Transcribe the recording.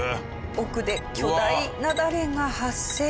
奥で巨大雪崩が発生。